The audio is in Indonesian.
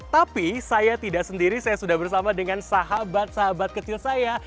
tapi saya tidak sendiri saya sudah bersama dengan sahabat sahabat kecil saya